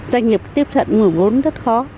doanh nghiệp tiếp cận nguồn vốn rất khó